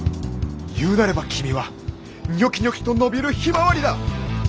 言うなれば君はニョキニョキと伸びるヒマワリだ！